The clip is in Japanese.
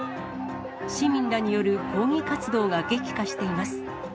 市民らによる抗議活動が激化しています。